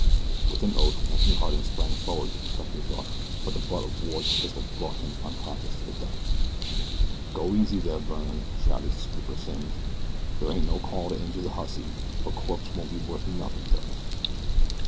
With an oath, Anthony Harding sprang forward to protect his daughter; but the butt of Ward's pistol brought him unconscious to the deck. "Go easy there, Byrne," shouted Skipper Simms; "there ain't no call to injure the hussy a corpse won't be worth nothing to us."